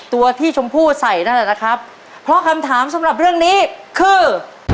ตัวที่ชมพู่ใส่นั่นแหละนะครับเพราะคำถามสำหรับเรื่องนี้คือ